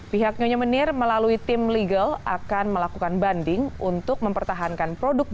pihak nyonya menir melalui tim legal akan melakukan banding untuk mempertahankan produk